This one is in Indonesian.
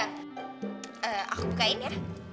aku bukain ya